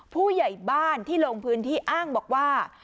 ผู้ใหญ่บ้านที่ลงพื้นที่อ้างบอกว่า